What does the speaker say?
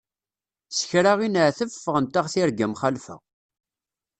S kra i neɛteb ffɣent-aɣ tirga mxalfa.